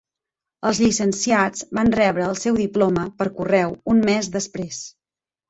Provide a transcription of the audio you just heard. Els llicenciats van rebre el seu diploma per correu un més després.